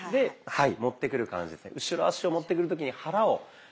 はい。